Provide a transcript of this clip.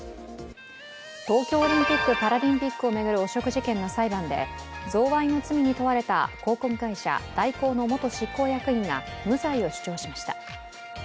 東京オリンピック・パラリンピックを巡る汚職事件の裁判で、贈賄の罪に問われた広告会社、大広の元執行役員が無罪を主張しました。